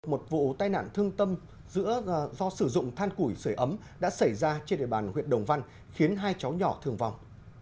một vụ tai nạn thương tâm do sử dụng than củi sửa ấm đã xảy ra trên địa bàn huyện đồng văn khiến hai cháu nhỏ thương vong